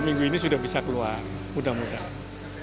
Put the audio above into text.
minggu ini sudah bisa keluar mudah mudahan